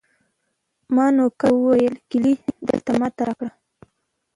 ما نوکر ته وویل چې کیلي دلته ما ته راکړه.